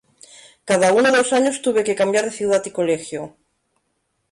Cada uno o dos años tuve que cambiar de ciudad y colegio.